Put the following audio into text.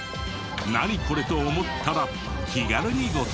「ナニコレ？」と思ったら気軽にご投稿を。